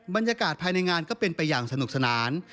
บรรยากาศภายในงานก็เป็นไปอย่างสนุกสนาน